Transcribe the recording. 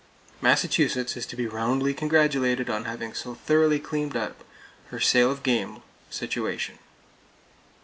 Massachusetts is to be roundly congratulated on having so thoroughly cleaned up her sale of game situation.